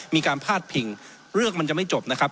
มีการพาดพิงเรื่องมันจะไม่จบนะครับ